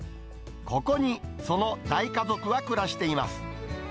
ここに、その大家族は暮らしています。